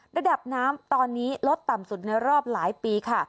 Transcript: ระดับน้ำตอนนี้ลดต่ำสุดในรอบหลายปีค่ะ